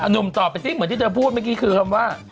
หนุ่มตอบไปซิเหมือนที่เธอพูดเมื่อกี้คือคำว่า